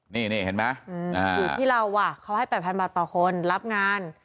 พี่ฟังบอกว่าเขาให้๘๐๐๐บาทต่อคนลับงาน